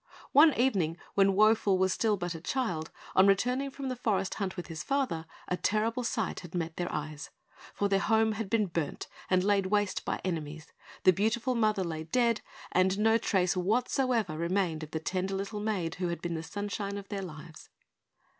One evening, when Woful was still but a child, on returning from a forest hunt with his father, a terrible sight had met their eyes; for their home had been burnt and laid waste by enemies, the beautiful mother lay dead, and no trace whatever remained of the tender little maid who had been the sunshine of their lives.